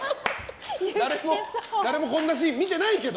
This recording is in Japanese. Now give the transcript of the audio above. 誰もこんなシーン見てないけど。